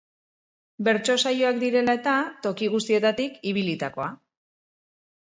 Bertso-saioak direla eta, toki guztietatik ibilitakoa.